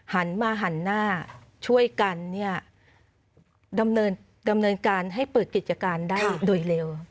หันมาหันหน้าช่วยกันดำเนินการให้เปิดกิจการได้โดยเร็ว